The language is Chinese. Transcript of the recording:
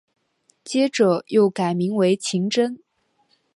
接着又改名为晴贞。